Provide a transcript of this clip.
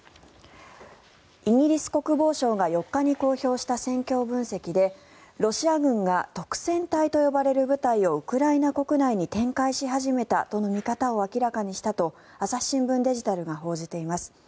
イギリス国防省が４日に公表した戦況分析でロシア軍が督戦隊と呼ばれる部隊をウクライナ国内に展開し始めたとの見方を明らかにしたと朝日新聞デジタルが報じています。